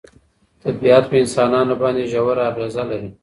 طبیعت په انسانانو باندې ژوره اغېزه لري.